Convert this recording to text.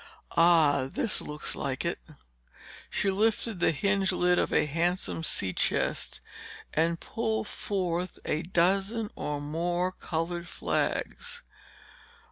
"Ah—this looks like it!" She lifted the hinged lid of a handsome sea chest and pulled forth a dozen or more colored flags.